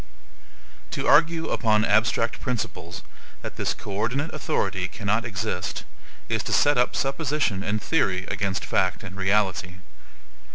To argue upon abstract principles that this co ordinate authority cannot exist, is to set up supposition and theory against fact and reality.